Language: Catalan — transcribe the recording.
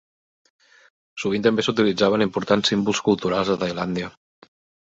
Sovint també s'utilitzaven importants símbols culturals de Tailàndia.